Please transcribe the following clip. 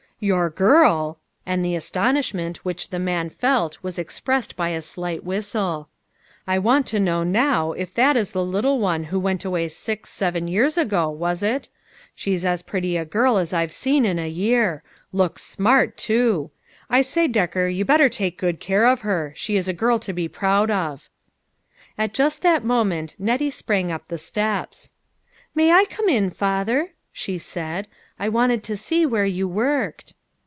" Your girl !" and the astonishment which the man felt was expressed by a slight whistle. " I want to know now if that is the little one who went away six, seven years ago, was it ? She's as pretty a girl as I've seen in a year. Looks smart, too. I say, Decker, you better take good care of her. She is a girl to be proud of." At just that moment Nettie sprang up the steps. "May I come in, father?" she said; U I wanted to see where you worked."